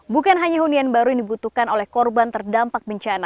bukan hanya hunian baru yang dibutuhkan oleh korban terdampak bencana